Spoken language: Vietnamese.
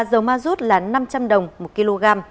dầu ma rút là năm trăm linh đồng một kg